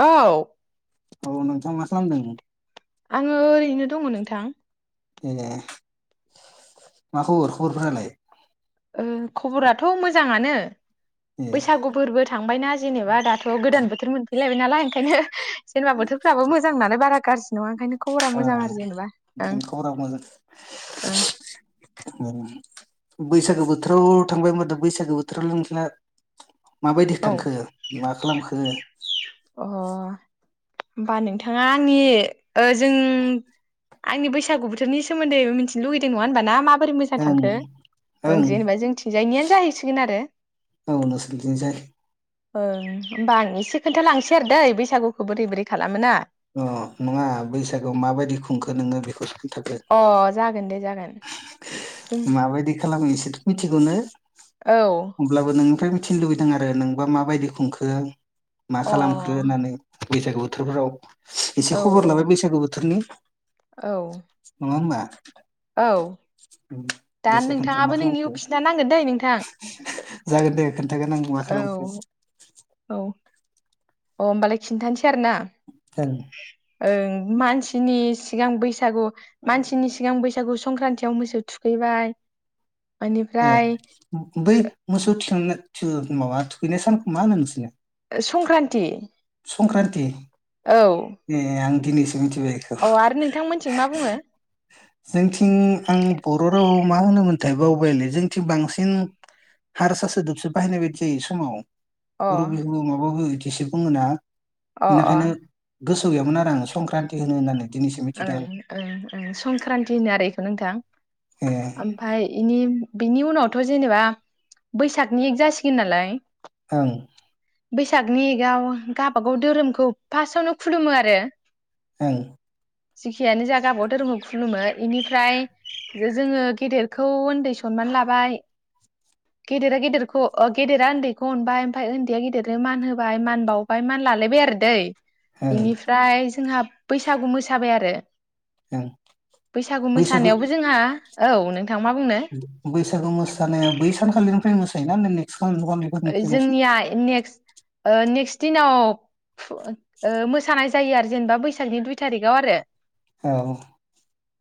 औ औ नोंथां मा खालामदों? आङो ओरैनो दङ नोंथां ए मा खबर खबरफोरालाय ओ खबराथ' मोजाङानो ए बैसागु फोरबो थांबायना जेनेबा दा थ' गोदान बोथोर मोनफैलाय नालाय ओंखायनो जेनेबा बोथोरफ्राबो मोजां नालाय बारा गाज्रि नङा ओंखायनो खबरा ओ मोजां आरो जेनेबा ओं ओंखायनो खबरा मोजां ओं बैसागो बोथोराव थांबाय होनोमबाथा बैसागो बोथोरावल' नोंसोना माबायदि ओं थांखो मा खालामखो? अ होमबा नोंथाङा आंनि ओ जों आंनि बैसागु बोथोरनि सोमोन्दै मिथिनो लुगैदों नङा होनबा ना मा बोरै मोजां ओं थांखो ओं जेनेबा जोंथिंजायनियानो जाहैसिगोन आरो औ नोंसोरनिथिंजाय ओं होमबा आं एसे खोन्थालांसै आरो दै बैसागुखौ बोरै बोरै खालामोना अ नङा बैसागोआव माबायदि खुंखो नोङो बेखौ अ जागोन दे जागोन जों माबायदि खालामो इसोरथ' मिथिगौनो अब्लाबो नोंनिफ्राय थिनो लुगैदों आरो नोंबा माबायदि खुंखो मा अ खालामखो होननानै बैसागु बोथोरफोराव एसे औ खबर लाबाय बैसागु बोथोरनि औ नङा होनबा। औ दा देसाय खोन्था मा नोंथाङाबो नोंनिखौ खालामखो खिनथा नांगोन दै नोंथां? जागोन दे खोन्थागोन आं औ [unintelligible] औ अ होनबालाय खिन [unintelligible] आरोना। ओं ओं मानसिनि सिगां बैसागु मानसिनि सिगां बैसागु संक्रान्तियाव मोसौ थुखैबाय। ए बेनिफ्राय बै मोसौ थिखांनो थु माबा थुखैनाय सानखौ मा होनो नोंसिनि संक्रान्ति संक्रान्ति औ ए नों [inaudible] मिथिबाय बेखौ। औ आरो नोंथांमोनथिं मा बुङो जोंनिथिं आं बर' रावाव मा होनोमोनथाय बावबायलै जोंथिं बांसिन हारसा सोदोबसे बाहायनाय बायदि जायो समाव। अ [unintelligible] एसे दङनामा? अ अ। गोसो गैयामोन आरो आं संक्रान्तथि होनो होन्नानै। ओं संक्रान्ति होनो आरो बेखौ नोंथां ए ओमफ्राय इनि बिनि उनावथ' जेनेबा बैसागनि एक जासिगोन नालाय ओं। बैसागनि गाव गावबा गाव धोरोमखौ फार्स्टावनो खुलुमो आरो। ओं। जेखियानो जा गबाव धोरोमखौ खुलुमो बेनिफ्राय जोङो गेदेरखौ उन्दै सनमान लाबाय गेदेरा गेदेरखौ गेदेरा उन्दैखौ अनबाय ओमफ्राय खेदया गिदिरनो मान होबाय मान बावबाय मान लालायबाय आरो दै। ओं बेनिफ्राय जोंहा बैसागु मोसाबाय आरो ओं बैसागु मोसानायावबो जोंहा औ नों बैसागु मोसानाया बै सानखालिनिफ्राय मोसानाय बेना जोंनिया नेक्स्ट नेक्स्ट दिनाव फु ओ ओ मोसानाय जायो आरो जेनेबा बैसागनि दुइ थारिखाव आरो औ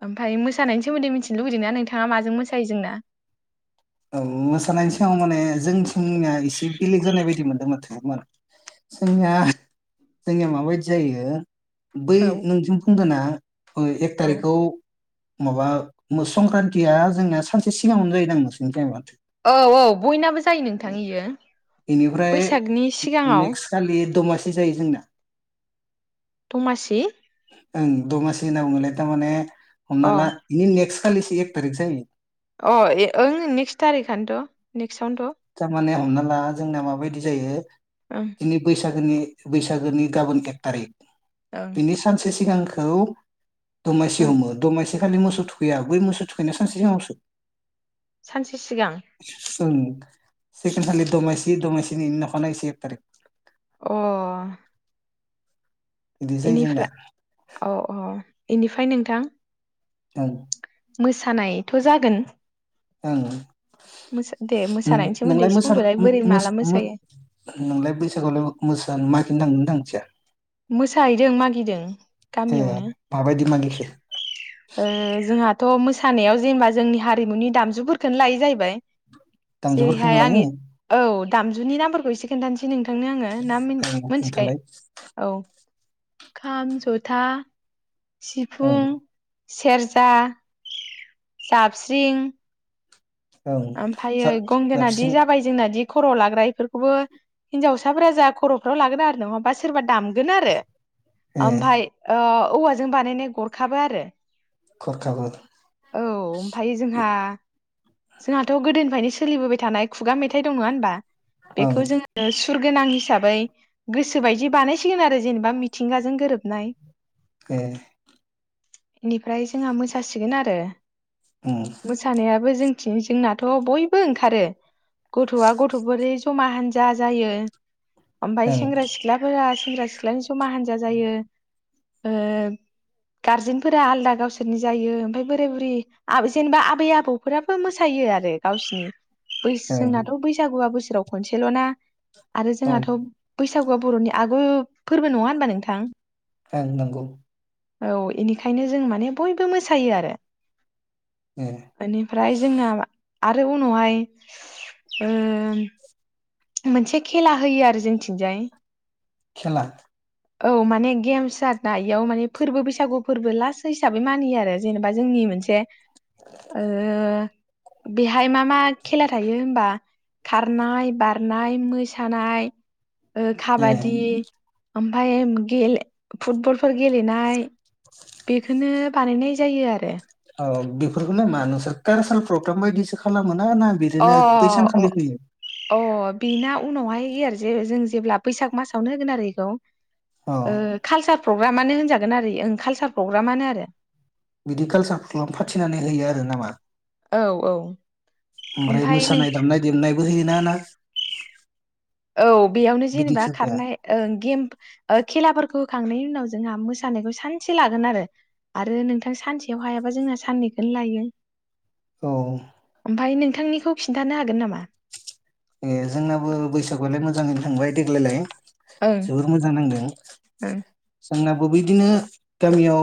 ओमफाय मोसानायनि सोमोन्दै मिथिनो लुबैदोंना नोंथाङा माजों मोसायो जोंना औ मोसानायनि सिगां माने जोंथिंनिया एसे बेलेग जानाय बायदि मोनदों माथो मा जोंनिया जोंनिया माबायदि जायो बै औ नोंजों बुंदोना ओ एक औ थारिखखौ माबा मो संक्रान्तिया जोंनिया सानसे सिगाङावनो जायोदां माथो जोंन्थायमा औ औ बयनाबो जायो नोंथां इयो बेनिफ्राय बैसागनि सिगाङाव नेक्स खालि दमासि जायो जोंना दमासि ओं दमासि होनना बुङोलाय थारमाने अ हमनाला इनि नेक्स खालिसो एक थारिख जायो अ ओं नेक्स थारिखआनोथ' नेक्सआवनो थ' थामाने हमना ला जोंना माबायदि जायो ओं जोंनि बैस सागोनि बैसागोनि गाबोन एक टारिक ओं बिनि सानसे सिगां खौ दमासि ओं हमो दमासि बेखालि मोसौ थुखैया बै मोसौ थुखैनाय सानसे उनावसो सानसे सिगां ओं से खोनथानि दमायसि दमायसिनि उनाव अखानायै से तारिख अ बिदि जायो जोंना एनिफ्रा औ अ एनिफ्राय नोंथां ओं मोसानायथ' जागोन मोसा दे [unintelligible] मोसानायनि सोमोन्दै एसे बुंदोलाय बोरै माला नों मोसायो थांनो थांदिया मोसाहैदों मागिदों ए गामियावनो माबायदि मागिखो ओ जोंहाथ' मोसा सानायाव जेनेबा जोंनि हारिमुनि दामजुफोरखौनो लायो जाहैबाय दामजुफोरखौनो जेरैहाय लायो आङि औ दामजुनि नामफोरखौ एसे खोनथानोसै नों थांनो आङो ना मिन ओं नोंथालाय मोनथिखायो खाम जथा ओं सिफुं सेरजा जाबस्रिं ओं ओमफ्रायो गंगोनादि जाबस्रिं जाबाय जोंनादि खर' लाग्रा इफोरखौबो हिन्जावसाफोरा जा खर'फ्राव लागोन आरो नङाबा सोरबा दामगोन आरो ए ओमफाय ओ औवाजों बानायनाय गरखाबो आरो खरखाबो औ ओमफ्राय जोंहा जोंहाथ' गोदोनिफ्रायनो सोलिबोबाय थानाय खुगा मेथाइ दं नङा होनबा ओं बेखौ जोङो सुर गोनां हिसाबै गोसोबायदि बानायसिगोन आरो जेनेबा मिथिंगाजों गोरोबनाय ए बेनिफ्राय जोंहा मोसासिगोन आरो ओं मोसानायाबो जों जोंनाथ' बयबो ओंखारो गथ'आ गथ'फोर जमा हान्जा जायो ओमफाय ओं सेंग्रा सिख्लाफोरा सेंग्रा सिख्ला जमा हानजा जायो ओ गारजेनफोरा आलदा गावसोरनि जायो ओमफ्राय बोराय बुरै जेनेबा आबै आबौफोरा मोसायो आरो गावसिनि बै ओं जोंनाथ' बैसागुआ बो सोराव खनसेल'ना आरो औ जोंहाथ' बै सागुआ बर'नि आगु फोरबो नङा होनबा नोंथां ए नंगौ औ इनिखायनो जों माने बयबो मोसायो आरो ए फ्राय जोंना आरो उनावहाय ओ मोनसे खेला होयो आरो जोंथिंजाय खेला औ माने गेमस आरोना इयावमाने फोरबो बैसागु फोरबो लास्ट हिसाबै मानियो आरो जेनेबा जोंनि मोनसे ओ बे हाय मा मा खेला थायो होनबा खारनाय बारनाय मोसानाय ओ ए काबादि ओमफाय गेले फुटबलफोर गेलेनाय बेखोनो बानायनाय जायो आरो। औ बेफोरखौनो मा नोंसोर कालसार प्रग्राम बायदिसो खालामो। ना ना अ बिदिनो बै अ सानखालि होयो। अ बेना उनावहाय जे जों जेब्ला बैसाग मासावनो होगोन आरो बेखौ। अ खालसार प्रग्रामानो होनजागोन आरो कालसार प्रग्रामानो आरो बिदि कालसार [unintelligible] फाथिनानै होयो आरो नामा? औ औ। ओमफ्राय ओमफाय नों मोसानाय दामनाय-देनाय [unintelligible] ना ना औ। बेयावनो जेनेबा बिदिखो होफाया खारनाय गेम खेलाफोरखौ होखांनायनि उनाव जोंहा मोसानायखौ सानसे लागोन आरो आरो नोंथां सानसेयाव हायाबा जोंहा साननैखौनो लायो। औ। ओमफाय नोंथांनिखौ खिन्थानो हागोन नामा? ए जोंनाबो बैसागुआलाय मोजाङैनो थांबाय देग्लायलाय। ओं जोबोर मोजां नांदों। ओं जोंनाबो बिदिनो गामियाव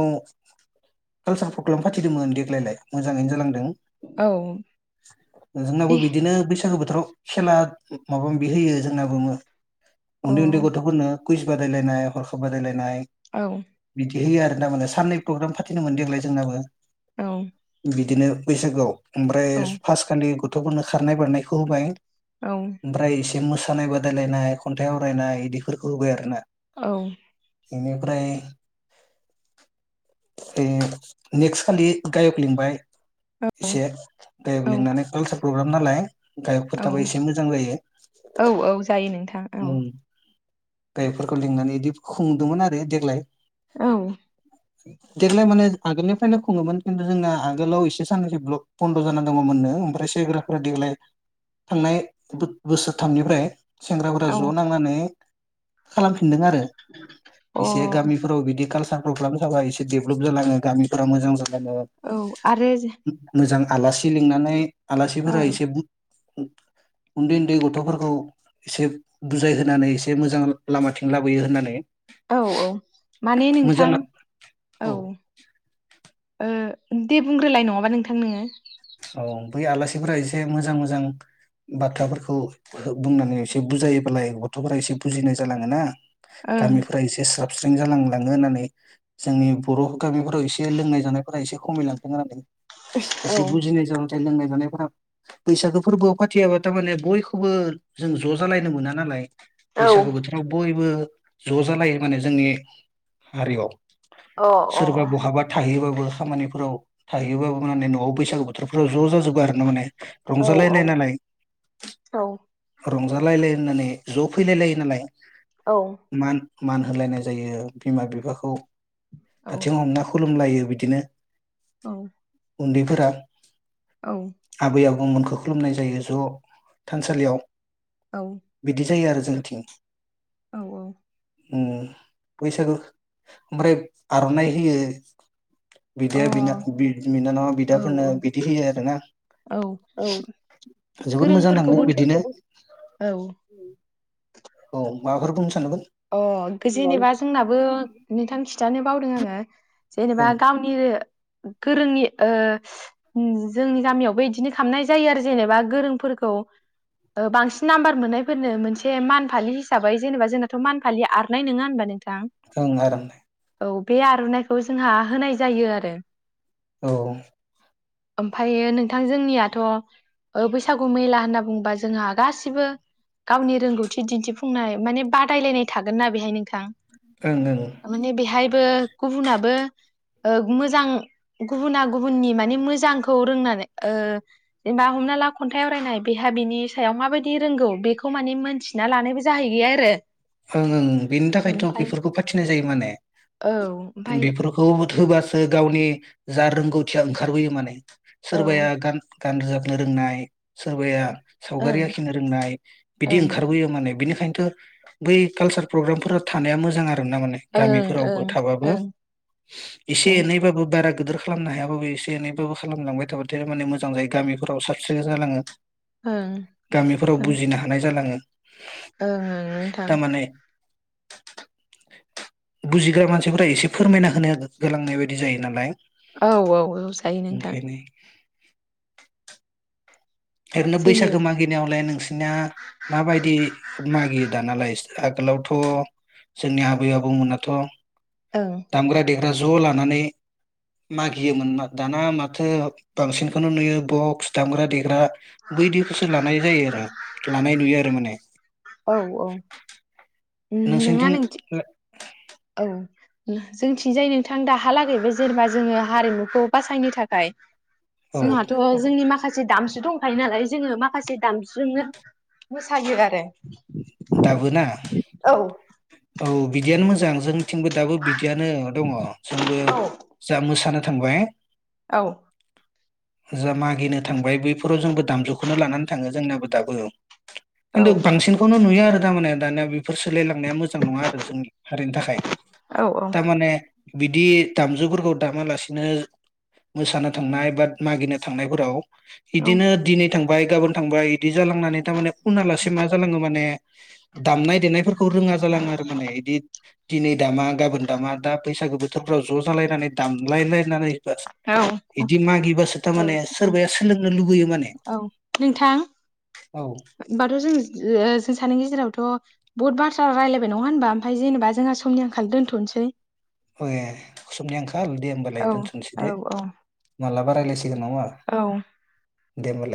कालसार प्रग्राम फाथिदोंमोन देग्लायलाय मोजाङैनो जालांदों। औ जोंनाबो बे बिदिनो बैसागो बोथोर। [unintelligible] खेला माबा माबि होयो जोंना बुङो। अ औ उन्दै उन्दै गथ'फोरनो कुइस बादायलायनाय हरखाब बादायलायनाय औ बिदि होयो आरो ना माने साननै प्रग्राम फाथिदोंमोन देग्लाय जोंनाबो। औ। बिदिनो बैसागुआव। ओमफ्राय औ फासखालि गथ'फोरनो खारनाय बारनायखौ होबाय। औ ओमफ्राय मोसानाय बादायलायनाय खन्थाइ आवरायनाय बिदिफोरखौ होबाय आरो ना। औ। बेनिफ्राय बे नेक्स्ट खालि गायक लिंबाय एसे गाइक औ लिंनानै कालसार। प्रग्राम नालाय औ थाबा एसे मोजां जायो औ औ जायो नोंथां औ ओम गाइकफोरखौ लिंनानै बिदि। खुंदोंमोन आरो देग्लाय औ देग्लाय माने आगोलनिफ्रायनो खुङोमोन खिन्थु जोंना आगोलाव एसे साननैसो ब्लक बन्द' जाना दङमोननो ओमफ्राय सेंग्राफ्रा देग्लाय थांनाय बोसोरथामनिफ्राय सेंग्राफोरा औ ज' नांनानै खालामफिनदों आरो अ एसे औ गामिफोराव बिदि कालसार प्रग्राम थाबा एसे देभेलप जालाङो गामिफोरा मोजां जाब औ आरो मोजां आलासि लिंनानै औ आलासिफोरा एसे उन्दै उन्दै गथ'फोरखौ एसे बुजायहोनानै एसे मोजां लामाथिं लाबोयो होननानै औ औ माने मोजां नोंथां औ ओ दे बुंग्रोलाय नङाबा नोंथां नोङो औ बै आलासिफोरा एसे मोजां मोजां बाथ्राफोरखौ बुंनानै एसे बुजायोब्लालाय गथ'फोरा एसे बुजिनाय जालाङोना ओं गामिफोरा एसे स्राब साबस्रिं जालांलाङो होननानै जोंनि बर' गामिफोराव एसे लोंनाय जानायफोरा एसे खमायलांथों होननानै औ नाथाय लोंनाय जानायफोरा बैसागो फोरबोआव फाथियाबा थ' माने बयखौबो जों ज' जालायनो मोना नालाय औ बैसागो बोथोराव बयबो ज' जालायो माने जोंनि हारियाव अ सोरबा बहाबा थाहैयोबाबो बबेबा खामानिफोराव थाहैयोबाबो माने न'आव बैसागु बोथोरफोराव ज जाजोबो आर नंगने औ रंजालायनाय नालाय औ रंजालायलाय होननानै ज' फैलायलायो नालाय औ मान मान होलायनाय जायो बिमा बिफाखौ औ हाथिं हमना खुलु लुमलायो बिदिनो औ उन्दैफोरा दा आबै आब दंमोनखौ खुलुमनाय जायो ज' थानसालियाव बिदि जायो आरो जोंथिं औ औ उम बैसागो ओमफ्राय आर'नाइ होयो बिदाया बिना बि बिनानावा बिदा औ फोरनो बिदि होयो आरोना औ औ जोबोद मोजां नाङो गोरोंफोरखौबोथ' बिदिनो औ औ माबाफोर बुंनो सानदोंमोन अ जेनेबा जोंनाबो नोंथां खि थानो बावदों आङो जेनेबा ओं गावनि गोरोंनि ओ जोंनि गामियावबो इदिनो खालामनाय जायो आरो जेनेबा गोरोंफोरखौ ओ बांसिन नाम्बार मोननायफोरनो मोनसे मान फालि हिसाबै जेनेबा जोंना थ' मान फालि आरनाय नङा होनबा नों ओं आरनाइ औ बे आर'नाइखौ जोंहा होनाय जायो आरो औ ओमफायो नोंथां जोंनियाथ' ओ बैसागु मेला होनना बुंबा जोंहा गासिबो गावनि रोंगौथि दिन्थिफुंनाय माने बा दायलायनाय थागोनना बेहाय नों थां ओं ओं थारमाने बेहायबो गुबुनाबो ओ मोजां गुबुना गुबुननि माने मोजांखौ रोंना बे ओ जेनबा हमना ला खन्थाइ आवरायनाय बेहा बिनि सायाव माबायदि रोंगौ बेखौ माने मोनथिना लानायबो जाहैयो आरो ओं ओं बेनि थाखायथ' ओमफ्राय बेफोरखौ फाथिनाय जायो माने औ ओमफाय बेफोरखौ होबासो गावनि जा रोंगौथिया ओंखारबोयो माने औ सोरबाया ओं गान गान रोजाबनो रोंनाय सोरबाया सावगारि ओं आखिनो रोंनाय बिदि ओं ओंखारबोयो माने बिनिख खायनोथ बै कालसार प्रग्रामफोरा थानाया मोजां आरो दोंना माने ओं गामिफोरावबो ओं थाबाबो ओं एसे ओं एनैबाबो बारा गोदोर खालामनो हायाबाबो एसे एनैबाबो खालामलांबाय थाबाथाय माने मोजां जायो गामिफोराव साबसिन जालाङो ओं गामिफोराव बुजिनो हानाय जालाङो ओं नों थामाने बुजिग्रा मानसिफोरा एसे फोरमायना होनो गोलांनाय बायदि जायो नालाय औ औ औ जायो नोंथां ओंखायनो ओरैनो जोंनि बैसागो मागिनायावलाय नोंसिनिया माबायदि मागियो दानालाय गोलावथ' जोंनि आबै आबौमोनाथ' ओं दामग्रा दे ग्रा ज' लानानै मागियोमोन दाना माथो बांसिनखौनो नुयो बक्स दामग्रा देग्रा बैदिखोसो लानाय जायो आरो लानाय नुयो आरो माने। औ औ। नोंसोरनिथिं [unintelligible] औ जोंथिंजाय नोंथां दाहालागै बे जेनेबा जोङो हारिमुखौ बासायनो थाखाय औ जोंहाथ' जोंनि मा माखासे दामजु दंखायो नालाय जोङो माखासे दामजुजोंनो मोसायो आरो। दाबोना? औ औ बिदियानो मोजां। जों थिंबो दाबो बिदियानो दङ जोंबो औ जा मोसानो थांबाय औ जा मागिनो थांबाय बैफोराव जोंबो दामजुखौनो लानानै थाङो जोंना बो दाबो औ खिनथु बांसिनखौनो नु गैया आरो दा माने दानिया बे फोर सोलायलांनाया मोजां नङा आरो जोंनि हारिनि थाखाय औ थामाने बिदि दामजुफोरखौ दामालासिनो मोसानो थांनाय बा मागिनो थांनायफोराव इदिनो दिनै थां बाय गाबोन थांबाय दि जालांनानै थारमाने उनालासे मा जालांङो माने दामनाय देनायफोरखौ रोंङा जालांङो आरो माने इदि दिनै दामा गाबोन दामा दा बैसागो बोथोरफ्राव ज' जालायनानै दामलाय लायनानै इदि मागिबासो औ थामाने औ सोरबाया सोलोंनो लुबैयो माने। औ बाथ' जों [unintelligible] जों सानै गेजेरावथ' बुहुत बाथ्रा रायज्लायबाय। नंङा होनबा? ओमफ्राय जेनबा जोंहा समनि आंखाल दोनथ'नसै। ए समनि आंखा खाल दे होमबालाय औ दोनथ'नसै औ दे माला बा रायलाय [unintelligible] दे औ ओमबालाय।